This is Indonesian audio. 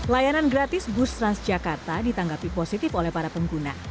layanan gratis bus transjakarta ditanggapi positif oleh para pengguna